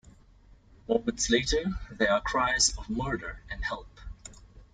Moments later, there are cries of "murder" and "help".